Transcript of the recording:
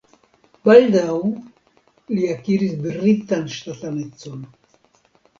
Baldaŭ li akiris britan ŝtatanecon.